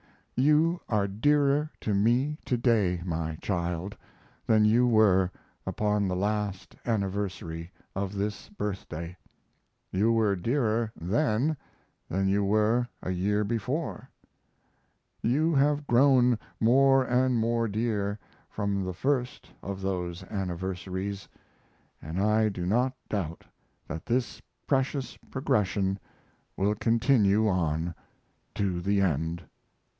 You are dearer to me to day, my child, than you were upon the last anniversary of this birthday; you were dearer then than you were a year before; you have grown more and more dear from the first of those anniversaries, and I do not doubt that this precious progression will continue on to the end.